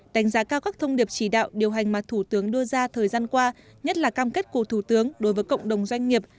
đánh giá cao các thông điệp chỉ đạo điều hành mà thủ tướng đưa ra thời gian qua nhất là cam kết của thủ tướng đối với cộng đồng doanh nghiệp